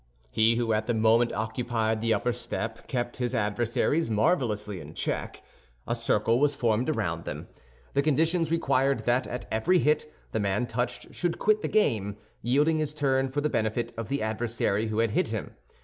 He who at the moment occupied the upper step kept his adversaries marvelously in check. A circle was formed around them. The conditions required that at every hit the man touched should quit the game, yielding his turn for the benefit of the adversary who had hit him.